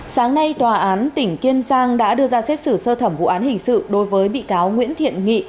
sáng nay tòa án tỉnh kiên giang đã đưa ra xét xử sơ thẩm vụ án hình sự đối với bị cáo nguyễn thiện nghị